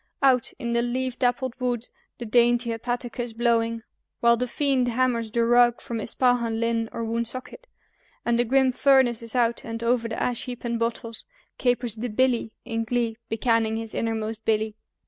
Out in the leaf dappled wood the dainty hepatica's blowing, While the fiend hammers the rug from Ispahan, Lynn, or Woonsocket, And the grim furnace is out, and over the ash heap and bottles Capers the "Billy" in glee, becanning his innermost Billy.